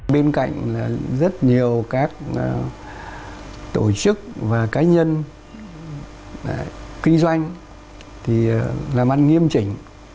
bên cạnh rất nhiều các tổ chức và cá nhân kinh doanh làm ăn nghiêm trình